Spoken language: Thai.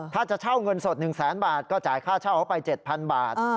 ถ้าจะเช่าเงินสด๑แสนบาทก็จ่ายค่าเช่าเขาไป๗๐๐บาท